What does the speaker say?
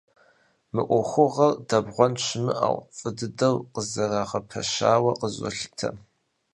Мы ӏуэхугъуэр, дэбгъуэн щымыӏэу, фӏы дыдэу къызэрагъэпэщауэ къызолъытэ.